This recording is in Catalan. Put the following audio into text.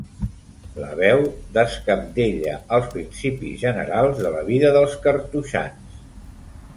La veu descabdella els principis generals de la vida dels cartoixans.